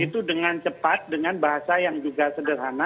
itu dengan cepat dengan bahasa yang juga sederhana